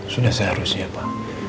sudah seharusnya pak